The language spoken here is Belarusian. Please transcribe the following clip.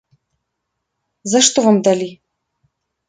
За што вам далі?